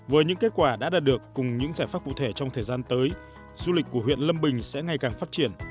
với những kết quả đã đạt được cùng những giải pháp cụ thể trong thời gian tới du lịch của huyện lâm bình sẽ ngày càng phát triển